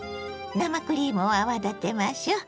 生クリームを泡立てましょ。